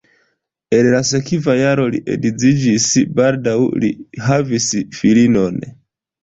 En la sekva jaro li edziĝis, baldaŭ li havis filinon.